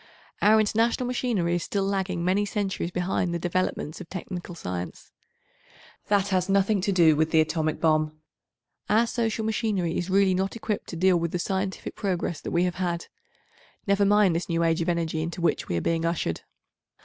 Our international machinery is still lagging many centuries behind the developments of technical science. That has nothing to do with the atomic bomb. Our social machinery is really not equipped to deal with the scientific progress that we have had—never mind this new age of energy into which we are being ushered.